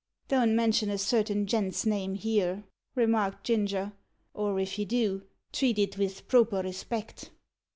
"Don't mention a certain gent's name here," remarked Ginger; "or if you do, treat it vith proper respect."